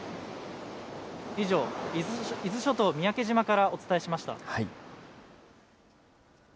以上、伊豆諸島三宅島からお伝えしました。